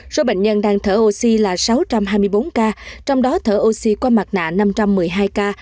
số bệnh nhân đang thở oxy là sáu trăm hai mươi bốn ca trong đó thở oxy qua mặt nạ năm trăm một mươi hai ca